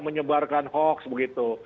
menyebarkan hoax begitu